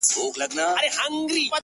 لکه انار دانې دانې د ټولو مخته پروت يم